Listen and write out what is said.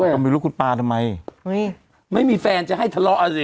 ด้วยแต่ไม่รู้คุณปาทำไมเคยไม่มีแฟนจะให้ทะเลาะอ่ะสิ